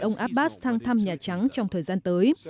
ông abbas thăng nhà trắng trong thời gian tới